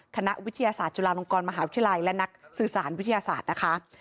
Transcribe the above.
คณะวิทยาศาสตร์จุฬาลงกรมหาวิทยาลัยและนักสื่อสารวิทยาศาสตร์นะคะ